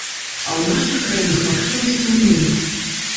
А ў нашых краінах магчымасцяў нуль.